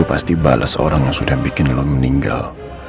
aku pasti balas orang yang sudah bikin lo meninggal